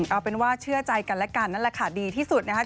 เอาเป็นว่าเชื่อใจกันและกันนั่นแหละค่ะดีที่สุดนะครับ